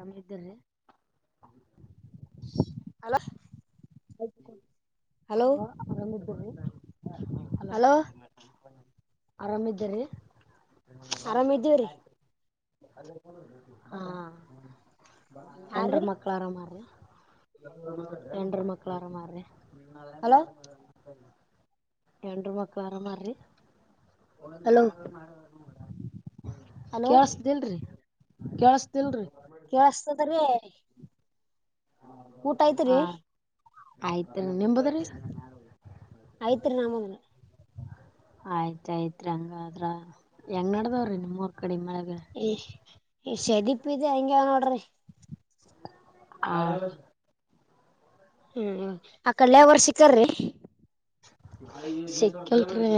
ಅಮ್ಮ ಇದ್ದರರಿ hello hello hello ಆರಾಮ್ದಾರೀ ಆರಾಮ ಇದೀವ್ರಿ ಹಾ ಯಾರ್ರೀ ಹೆಣ್ರು ಮಕ್ಕಳ ಆರಾಮ ಹೆಣ್ರು ಮಕ್ಕಳಮಾಡಾರ್ರ ಹಲೋ ಹೆಣ್ರು ಮಕ್ಕಳು ಆರಾಮ ರಿ ಹಲೋ ಹಲೋ ಕೇಳ್ಸ್ದಿಲ್ರಿ ಕೆಲ್ಸ ಕೇಳಸ್ತರಿ ಊಟ ಐತ್ರಿ ಆಯ್ತ ನಿಂಬುದ್ರಿ ಐತ್ರಿ ನಾಮದನ ಆಯ್ತಾಯ್ತ್ರಿ ಹಂಗಾದದ್ರ ಹೆಂಗ್ ನಡದವ್ರಿ ನಿಮೂರ್ ಕಡೆಮಳಗ ಈ ಶದಿಪ್ ಇದೆ ಹೆಂಗಗೆವ ನೋಡ್ರಿ [unintelligible] ಹ್ಮ್ ಆ ಕಲ್ಯ ಅವರ್ ಸಿಕ್ಕಾರ್ರಿ ಸಿಕ್ಕಲ್ತ್ರಿ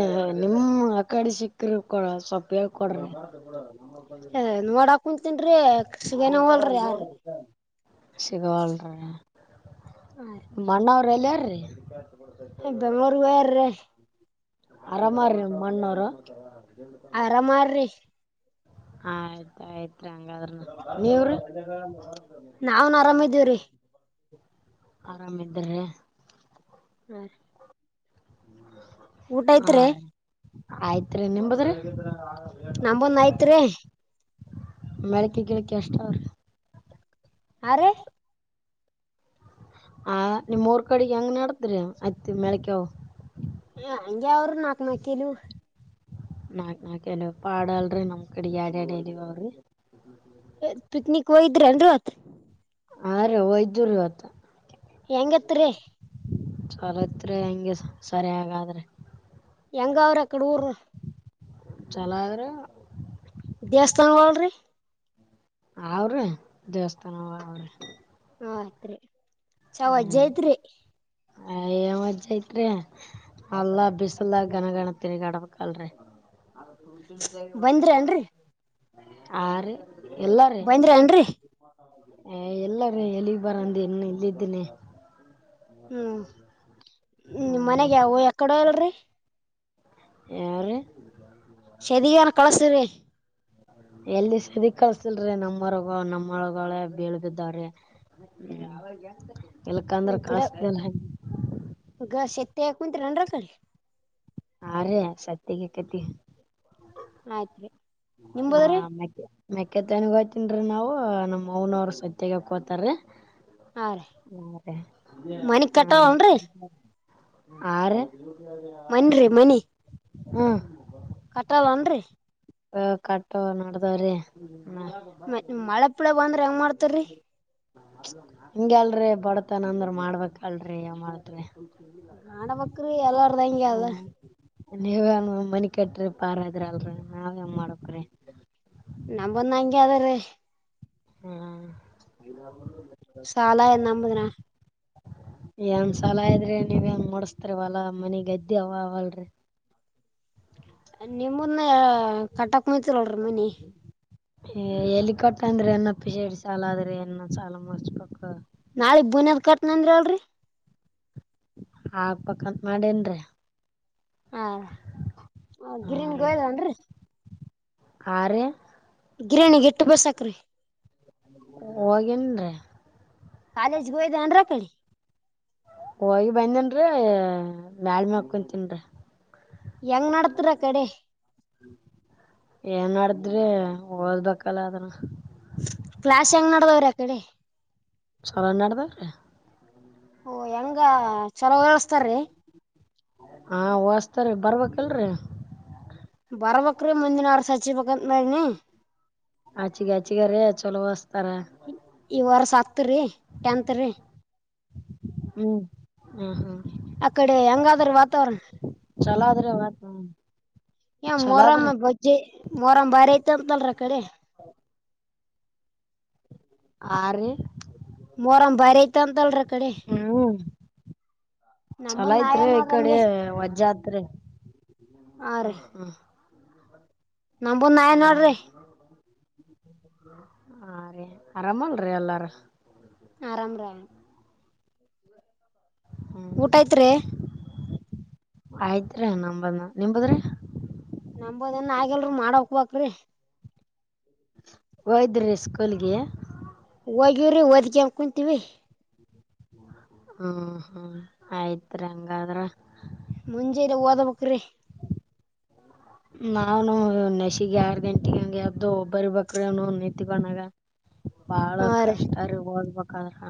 ನಿಮ್ಮ ಆ ಕಡಿ ಸಿಕ್ಕ್ರ ಕೊಡ ಸ್ವಪ ಕೆಳ್ಕಡರಿ ನೋಡಾಕ್ ಕುಂತನ್ರಿ ಸಿಗನ ಹೋಲ್ರಿ ಯಾರೀ ಸಿಗವಲ್ರಿ ಮನವರಲ್ಲಾರ ರೀ ಬೆಂಗ್ಳೂರ್ಗ ಹೋಗ್ಯಾರ್ರಿ ಅರಾಮರಿ ನಿಮ್ಮಣ್ಣ ಅವರು ಆರಾಮ್ರಿ ಆಯ್ತ ಆಯ್ತು ಹಂಗಾದ್ರ ನೀವ್ರ ನಾವ್ನ್ ಆರಾಮ ಇದೀವ್ರಿ ಆರಾಮ ಇದಾರೆ ಹ್ಮ ಊಟ ಹಾ ಯತ್ರಿ ರೀ ಆಯ್ತ್ರಿ ನಿಮದ್ರಿ ನಂಬಂದ್ ಐತ್ರಿ ಮಳಕ ಗಿಳಕಿ ಅಷ್ಟ ಅವ್ರಿ ಅರೆ ಆ ನಿಮ್ಮ್ರ್ ಕಡೆಗೆ ಹೆಂಗ್ ನಡತ್ ಆಯ್ತಿ ಮಳಕಾವ ಹ ಹಂಗಗೆವರು ನಾಕ ಮಕ್ಕಲು ನಾಕ್ ನಾಕ ಎಲ್ಲ ಪಾಡ ಅಲ್ರರಿ ನಮ್ ಕಡೆ ಯಾರ ಅಡಲಿಿವ ಅವ್ರಿ ಕಯ ಇದ್ರೆನ್ತ್ ಆ ರ ವೈದ್ಯೂರುವತ ಹೆಂಗತ್ರಿ ಚಲತ್ರಿ ಹೆಂಗೆ ಸರಿ ಹಾಗಾದ್ರೆ ಹೆಂಗ ಅವ್ರರು ಅಕ್ಕಡೆ ಊರ್ ಚಲರ ದೇವಸ್ಥಾನವಾಳರಿ ಅವ್ರೀ ದೇವಸ್ಥಾನ ಅವ್ರಿ ಆಯ್ತ್ರಿ ಚಾವ ಅಜ್ಜ ಐತ್ರಿ ಅಯ್ಯೋ ಮಜ್ಜ ಐತ್ರಿ ಅಲ್ಲಾ ಬಿಸಲ ಗನಗಣ ತಿರಿಗಡಬಲ್ರಿ ಬಂದ್ರಿ ಆರು ಬೈಂದ್ರ ಏನ್ರಿ ಎಲ್ಲಾರ ಎಲ್ಲಿಗ್ ಬರಂದ ಇನ್ನು ಇಲ್ಲಿದ್ದೀನಿ ಹ್ಮ್ ಹಾ ನಿ ರೀ ಮನೆಗೆ ಎಕಡ ಅಲ್ರಿ ಯ್ರ ಸರಿಾನ ಕಳಸರ ಎಲ್ಲಿ ಸದಿ ಕಲ್ಸಿಲ್ರೀ ನಮ್ಮವರ್ಗ ನಮ್ಮೊಳ್ಗಳೇ ಬೀಳ್ ಬಿದ್ದಾವ್ರಿ ಎಲ್ ಕಂದ್ರ ಗಿಡ ಕಸ್ತನ್ ಗ ಶತ್ತ ಕುಂತ್್ರ ಕ ಹ ರ ಸತ್ಯಗೆ ಕತಿ ಆಯ್ತ್ು ರೀ ನಿಮಬೋದ್ರಿ ಮೆಕ್ಕ ತನ್ಗ ಹೋಯ್ತನ್ರೀ ನಾವು ನಮ್ ನವರು ಸತ್ಯಗಕೋತಾರೀ ಹಾ ರೀ ಮನಿ ಕಟ್ಟನ್ೀ ಆರು ಮನೆ ಹ್ಮ ಕಟ್ಟಲ್ಲನ್ರಿ ಕಟ್ಟ ನೋಡದವ್ರೀ ಮ ಮಳೆ ಪೀಳ ಬಂದ್ರ ಹೆಂಗ್ ಮಾಡ್ತಾರಿ ಹಿಂಗ ಅಲ್ರರಿ ಬಡತನಂದ್ರ ಮಾಡ್ಬೇಕಲ್ರಿ ಯ ಮಾಡತ್ರಿ ನಾಡ ಬಕ್ರೀ ಎಲ್ಲಾರ್ದಂಂಗಗೆ ಅದ ನೀವ ಮನಿ ಕಟ್ರಿ ಪಾರದ್ರ ಅಲ್ರಿ ನಾವೇನ್ ಮಾಡಕ್ರೀ ನಮಂದ ಹಂಗೆ ಅದ ರೀ ಹ್ಮ ಸಾಲ ಎಂಬದಿನ ಹೆಂಗ್ ಸಲ ಇದ್ರಿ ನೀವ್ ಹೆಂಗ್ ಮೂಡಸ್ತರಿವಲ್ಲಾ ಮನಗ್ದ್ದಿವ ಅವಲ್ರಿ ನಿಮದನ ಕಟ್ಟಾಕ್ ಮು್ತಿರಲ್ರಿೀ ಮನಿ ಎಲ್ಲಿ ಕೊಟ್ಟ ಅಂದ್ರೆ ಎನ್ನಪ್ಪ ಶೇಡ್ ಸಾಲ ಆದ್ರೆ ಇನ್ನ ಸಾಲ ಮುಚ್ಬೇಕಕ್ ನಾಳೆಗ್ ಬುನದ್ ಕಟ್ನಂದ್ರಿ ಅಳರಿ ಆ ಪಕ್ಕತ್ ಮಾಡೇನ್ರರಿ ಹಾ ಗಿರಿನ್ಗೋಯ್ದನ್ರಿ ಆರು ಗಿರಾಣಿ ಗಿಟ್ಟು ಬಸಾಕ್ರೀ ಹೋಗೇನ್ರೀ ಕಾಲೇಜ್ಗೆ ಹಯ್ದನ್ರ ಕಿ ಹೋಗಿ ಬಂದನ್ರೀ ಬಾಳ್ಮೆಕ್ಕೊಂತನ್ರಿಿ ಹೆಂಗ್ ನತರ ಕಡೆ ಏನ್ ಮಾಡಡಿದ್ರಿ ಓದಬೇಕಲ್ಲ ಅದನ ಕ್ಲಾಸ್ ಹೆಂಗ್ ನಡದವ್ರ ಅ ಕಡೆ ಚಲಡದ್ರೀ ಓ ಹೆಂಗ ಚಲೋ ಳ್ಸ್ತಾರೀ ಹಾ ಹಓಸ್ತರಿೀ ಬರ್ಬೇಕಲ್ರಿ ಬರ್ಬ್ರೀ ಮುಂದಿನ ಅವ್ರ ಸಚಿ ಬಂತ ಮನಿ ಆಚಿಗ ಅಚಿಗಾರೇ ಚೊಲವಸ್ತಾರ ಉತ್ತ ರಿ ಎಂತ ರಿ ಹ್ಮ್ ಹ್ಮ್ ಹ್ಮ್ ಅಕಡೆ ಅಂಗಾಧರ ವಾತಾವರಣ ಚಲ ಆದ್ರೆ ವತ ಮೊರಂ ಬಜ್ಜೆ ಮೊರಂ್ ಬಾರಿ ಐತಂತಲ್ರ ಕಡೆ ಹೌ ಆರು ಮೊರಂ ಬಾರಿ ಐತ ಅಂತಲ್ರ ಅ ಕಡೆ ಚಲ ನಂಬಂದ್ ಐ್ತ್ ನಾವೇ ರೀ ಈ ಕಡೆ ನೋಡ್ರಂಗೆ ವಜಾತ್ರಿ ಹ ಹಾ ನಮಂಬೂಂದ ನಾಯಿ ನೋಡ್ರಿ ಹಾ ರೀ ಆರಾಮಲ್ರಿ ಎಲ್ಲಾರ ಆರಾಮ್ರ ಊಟ ಆಯ್ತ ರಿ ಆಯ್ತ್ ನಂಬದ ನಿಂಬದ್ರಿ ನಂಬದ ನ್ ಆಗಲ್ರರಿ ಮಾಡಕ್ಬಕ್ರಿ ಒಯದೀ ಸ್ಕೂಲ್ಗೆ ಹೋಗ್ಯವ್ರಿ ಒದಿಕ ಅನ್ ಕುಂತೀವಿ ಹ್ಮ್ ಹ್ಮ್ ಆಯ್ತ್ರಿ ಹಂಗಾದ್ರ ಮುಂಜೆಲ್ಲ ಓದ ರಿ ಹ್ಮ ನಾವನು ನೆಸಿಗೆ ಆರ್ ಗಂಟಗ ಹಂಗೆ ಯ್ದು ಒಬ್ಬರಿ ಬರಿ ಬೇಕ್ರಿ ನಿತ್ತಗೊಂಡಾಗ ಬಾಳ ಹಾ ರೀ ಕಷ್ಟರಿ ಒದ್ಬೇಕಾದ್ರ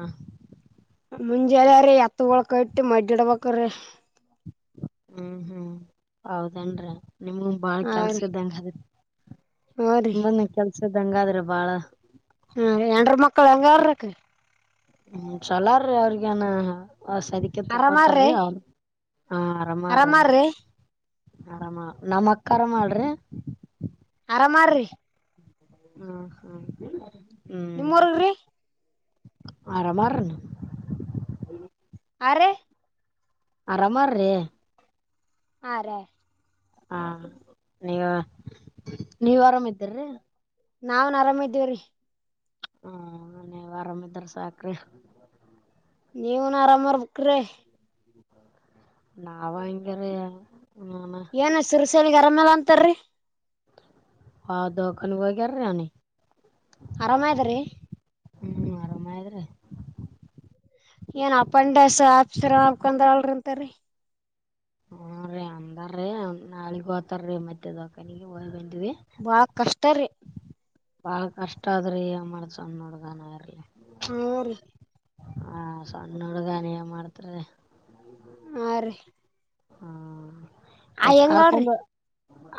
ಮುಂಜೆನ ರೀ ಹತ್ತ ಒಳಕ ಇಟ್ಟು ಮಜ ಇಡಬೇಕ್ರೀ ಹ್ಮ್ ಹ್ಮ್ ಹೌದೇನ್ರಿ ನಿಮ್ಗ ಬಾಳ ಹಾ ಕೆಲ್ಸ ರೀ ಇದ್ದಂಗ ಅದ ಹಾ ರೀ [unintelligible] ಬನ್ನ ಕೆಲ್ಸದಂಗಾದ್ರೆ ಬಾಳ ಹ್ಮ ಎಂಡರ ಮಕ್ಕಳ ಹೆಂಗಾರರುಕ್ಕ ಹ್ಮ ಚಲರೀ ಅವ್ರಗೇನ ಆ ಸರಿ ಅದಕ್ಕೆ ಆರಾಮಾರ್ರಿ ತಕೋತಾರೀ ಅವನು ಹಾ ಆರಾಮಾರ ಆರಾಮಾರ್ರಿ ಆರಾಮ ನಮ್ಮ್ ಅಕ್ಕ ಅರಾಮ ಮಾಳ್ರಿ ಆರಾಮಾರ್ರಿ ಹ್ಮ ಹ್ಮ ನಿಮ್ಮವರ್ಗ್ರೀ ಆರಾಮಾರ ಆರೆ ಆರಾಮಾರ್ರ ಹಾರಿ ಹಾ ನೀವ ನೀವ್ ಆರಾಮ್ದೀರಿ ನಾವನ್ ಆರಾಮ್ದೀವ್ರೀ ಹ್ಮ ಅವರಾಮದರ್ ಸಾಕರೆ ನೀವನ್ ಆರಾಮ ಇರ್ಬೇಕ್ರಿ ನಾವು ಅಂಗೇರಿ ಏನ್ ಶ್ರೀಶೈಲಗಾಗ ಅರಾಮೇಲೆ ಅಂತಾರೀ ಆ ದವಾಖಾನೆ ಹೋಗ್ಯಾರಿ ಅವನಿಗೆ ಆರಾಮ ಆಗದದ್ರೀ ಹ್ಮ್ ಆರಾಮ ಆಗೇದ ಏನ್ ಅಪ್ಪಂಡಸ ಆಪ್ಸರ ಹಕಂದ್ರ ಅಲ್ರಿಂತರಿ ಹ ರೀ ಅಂದಾರೀ ನಾಳಗ್ ಹೋತಾರೀ ಮತ್ತ ದವಾಖಾನೆ ಹ ಬಹಳ ಕಷ್ಟ ರೀ ಬಾಳ ಕಷ್ಟ ಆದ್ರಿ ಮಾಡಸಣ ನೋಡ್ಗಾನ ಇರ್ಲಿ ಹ ಹಾ ಸಣ್ಣ ಹುಡುಗಾನ ಮಾಡ್ತರ ಹಾ ರೀ ಹ್ಮ ಆ ಹೆಂಗಾಳ್ರಿ ಇವತ್ತುಕರ್ಕೊಂಡು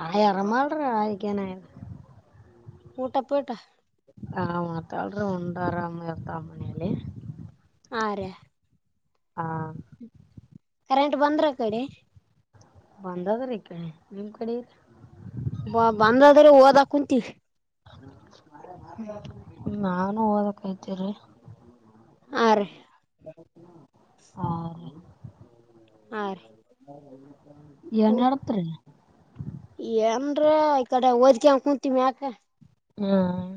ಆಯಿ ಆರಾಮರ ಆಯಿ ಗೆ ನಾಗೇದ ಊಟ ಪಟ ಹ ಅವನ ತಾಳ್ರ ಉಂಡರಾಮ ಇರ್ತಾ ಮನೆಯಲ್ಲಿ ಆರ್ರೀ ಕರೆಂಟ್ ಬಂದ್ರ ಕಡೆ ಬಂದಾದ ಈ ಕಡೆ ನಿಮ ಕಡೆ ಬಾ ಬಂದ್ರ ಅದ್ರ ಓದಾ ಕುಂತೀವಿ ನಾನು ಓದಕ ಕುಂತಿವ್ರಿ ಆರ್ರೀ ಹ ಅರಿ ಏನ್ ನಡೆದ್ರಿ ಏನ್ರ ಈ ಕಡೆ ಓದ್ಕ ಕುಂತೀಮಿ ಮ್ಯಾಕ ಹ್ಮ್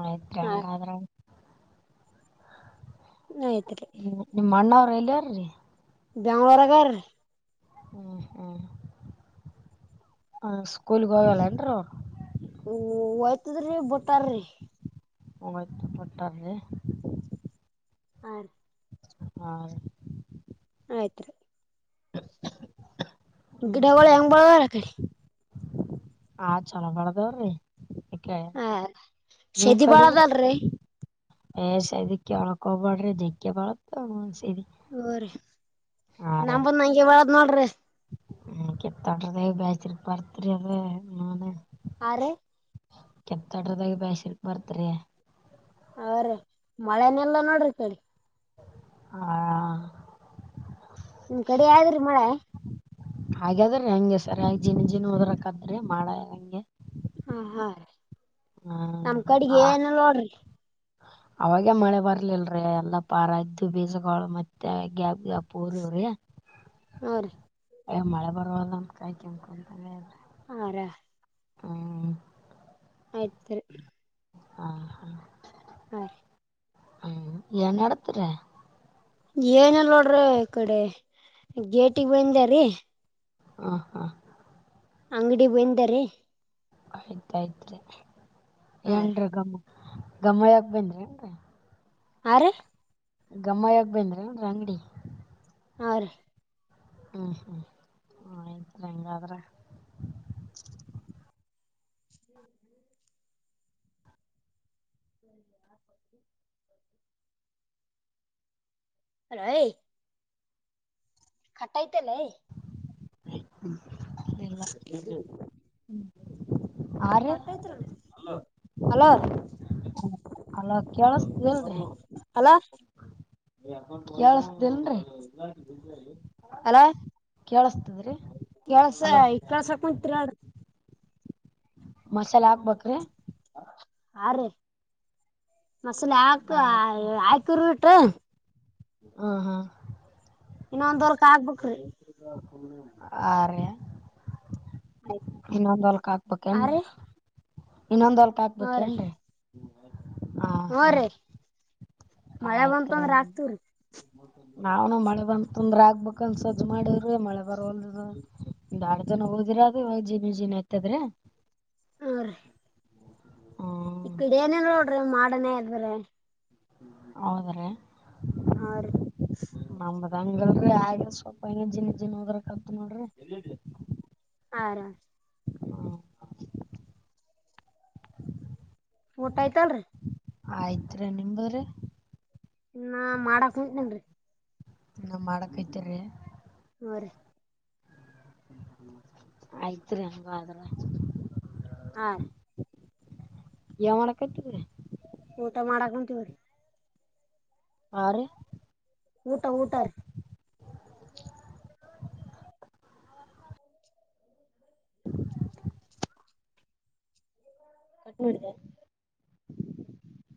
ಆಯ್ತ್ರಿ ಹ ಹಂಗಾದ್ರ ಆಯ್ತ್ರಿ ಹ್ಮ ನಿಮ್ಮ್ ಅಣ್ಣ ಅವ್ರ ಎಲ್ಲಿರೀ ಬೆಂಗ್ಳೂರಗಾರ್ರೀ ಹ್ಮ್ ಹ್ಮ್ ಹ ಸ್ಕೂಲ್ ಹೋಗಾಲನ್ರು ಹೋಯ್ತದ್ರಿ ಬಿಟ್ಟಾರ್ರಿ ಹೋಗ್ತಿದ್ರು ಬಿಟ್ಟರೆ ಅರಿ ಹಾ ಆಯ್ತ್ರಿ ಹ್ಮ್ ಗಿಡಗಳು ಹೆಂಗ್ ಬಳಾರ ಕಡೆ ಹಾ ಚಲೋ ಬೆಳದಾವ್ರಿ ಕ ಹ ನಿಮ್ ಶದಿ ಕಡಿದ್ರಿ ಬಾಳದಲ್ರಿ ಏ ಸದಕ್ಕೆ ಒಳಕೊಬಡ್ರಿ ಜಗ್ಗೆ ಬಳತ್ ಓ ರೀ ನಂಬದ್ ನಂಗೆ ಒಳದ್ ನೋಡ್ರಿ ಹ ಕೆತ್ತಟ್ರ ಬಯಚರಿ ಪರ್ತ್ರರಿ ಅದ ಮನೆ ಆರ್ರೀ ಕೆತ್ತ ಅಡ್ರದಾಗ ವ್ಯಾಸರಕಿ ಬರ್ತರಿ ಅವ್ರೀ ಮಳೆನೆಲ್ಲಾ ನೋಡ್ರಿ ಇಕಡಿ ಆ ನಿಮ್ ಕಡೆ ಆದ್ರಿ ಮಳೆ ಹಾಗಾದ್ರ ಹೆಂಗೆ ಸರ್ ಜೀನ ಜೀನ್ ಹೂದರಕಾದ್ರಿ ಮಾಡ ಹೆಂಗೆ ಹ ಹಾ ರೀ ನಮ ಕಡೆಗೆ ಹಾ ಏನ ನೋಡ್ರಿ ಅವಾಗೆ ಮಳೆ ಬರ್ಲಿಲ್ರರಿ ಎಲ್ಲಾ ಪಾರ ಇದ್ದು ಬೇಜಗಳುಾಗಳುು ಮತ್ತೆ ಗ್ಯಾಪ್ ಗ್ಯಾ ಪೂರವ್ರೀ ನೋಡ್ರಿ ಮಳೆ ಬರ್ವಲ್ಲ ಅಂತ ಕಾಯ್ ಕೆಮಕೊಂತ ಹಾ ರಾ ಹ್ಮ ಆಯ್ತ್ರಿ ಹಾ ಹಾ ಹಾರಿ ಹ್ಮ ನ್ ನತರ ಏನಲ್ ನೋಡ್ರಿ ಈ ಕಡೆ ಗೇಟಿಗೆ ಬಂದಾರೀ ಹ ಹಾ ಅಂಗಡಿ ಬೆಂದರೆ ಆಯ್ತಾಯ್ತ್ರಿ ಹಾ ರೀ ಎನ್ರ ಗಮ್ಮ ಗಮ್ಮಯ್ಯಕ ಬಂದ್ರಿ ಅಂತ ಆ ಗಮ್ಮ ಯಾಗ ಬಂದ್ರ ಅಂಗಡಿ ಆ ಹ್ಮ್ ಹ್ಮ್ ಹ ಆಯಿತ್ರಿ ಹಾಂಗಾದ್ರ. [unintelligible] ರೈ ಖಟ್ಟೈತಲ್ಲ ಹ್ಮ ಲ್ಲ್ಮ ಆರು ಕಟ್ಟೈತ್ರಿ ಹಲೋ ಅಲ ಕೇಳಸ್ತಲ್ರಿ ಹಲೋ ಯಳ್ಸತ್ದನ್ರಿ ಅಲ ಕೇಳುಸ್ತಾದ್ರಿ. ಕೆಳ್ಸ ಈ ಕೆಳ್ಸ ಕುಂತದ್ ಹೇಳ್ರಿ. ಮಸಾಲ ಹಾಕ್ಬಾಕ್ರಿ. ಹಾ ರೀ ಮಸಾಲ ಹಾಕ್ ಆಯ್ತ್ ಹಾಕಿರೋಟ. ಹಾ ಹಾ. ಇನ್ನೊಂದ್ ಹೊಲ್ಕ್ ಆಗ್ಬಾಕ್ರಿ. ಆ ರ ಇನ್ನೊಂದ ಹೊಲ್ಕ ಹಾ ಹಾಕ್ಬಾಕೇನ್ರಿ. ರೀ ಇನ್ನೊಂದ್ ಹೊಲ್ಕ್ ಹಾಕ್ಬೇಕೇನ್ರೀ. ಹೂ ರೀ ಮಳೆ ಬಂತು ಆಯ್ತ್ರಿ ಅಂದ್ರೆ ಅಕ್ತಿವ್ರಿ. ನಾವ್ನು ಮಳೆ ಬಂತಂದ್ರೆ ಅಕ್ಬೇಕಾಂತ್ ಸಜ್ ಮಾಡವ್ರೀ ಮಳೆ ಬರ ಹೊಲ್ದ ಇದು. ಒಂದೇಲ್ಡ್ ದಿನ ಓದಿರದು ಜೀನಿ ಜೀನಿ ಆತದ್ರಿ. ಹ್ಮ್ ಇಕಡೆ ಏನಿಲ್ ನೋಡ್ರಿ ಮಾಡನೇ ಅದ್ರಿ. ಹೌದ್ರೀ. ಆ ರೀ. ಬರಂಗಿಲ್ರಿ ಆದ್ರು ಸ್ವಲ್ಪ ಹಂಗ ಜಿನಿ ಜನಿ ಹೋದ್ರ ಕತ್ ನೋಡ್ರಿ. ಹಾ ರೀ ಹ್ಮ್ ಊಟ ಆಯ್ತಲ್ರಿ. ಆಯ್ತ್ರಿ ನಿಮ್ದು ರೀ. ಇನ್ನ ಮಾಡಾಕ್ ಹತೇನ್ರಿ. ಇನ್ನ ಮಾಡಕತ್ತೆರಿ. ಹಾ ರೀ ಆಯ್ತ್ರಿ ಹಂಗಾದ್ರ. ಹಾ ರೀ. ಏನ್ಮಾಡಕತಿದ್ರಿ. ಊಟ ಮಾಡಕುಂತಿವ್ರಿ. ಹಾ ರೀ. ಊಟ ಊಟ ರೀ. ಕಟ್ ಮಾಡಿದ್ಯಾ.